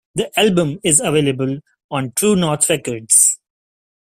The album is available on True North Records.